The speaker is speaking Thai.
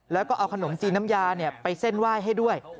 แล้วก็เอาขนมจีนน้ำยาไปเส้นไหว้ให้ด้วย